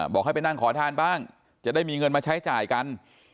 บอกให้ไปนั่งขอทานบ้างจะได้มีเงินมาใช้จ่ายกัน